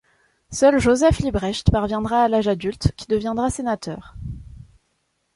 Seul Joseph Libbrecht parviendra à l'âge adulte, qui deviendra sénateur.